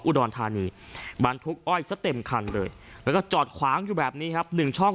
อุดรธานีบรรทุกอ้อยซะเต็มคันเลยแล้วก็จอดขวางอยู่แบบนี้ครับหนึ่งช่อง